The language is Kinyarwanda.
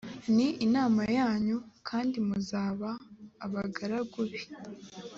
ni imana yanyu kandi muzaba abagaragu be